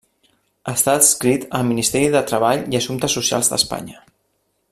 Està adscrit al Ministeri de Treball i Assumptes Socials d'Espanya.